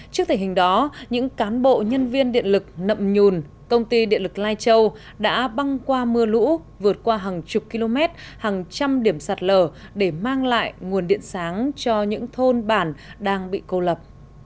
trước thể hình đó những cán bộ nhân viên điện lực nậm nhùn công ty điện lực lai châu đã băng qua mưa lũ vượt qua hàng chục km hàng trăm điểm sạt lở để mang lại nguồn điện sáng cho những thôn bản đang bị cô lập